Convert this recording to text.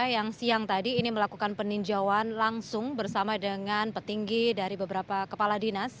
yang siang tadi ini melakukan peninjauan langsung bersama dengan petinggi dari beberapa kepala dinas